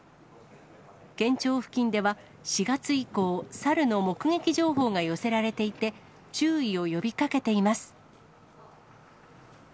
県庁付近では、４月以降、猿の目撃情報が寄せられていて、注意を呼びかけています。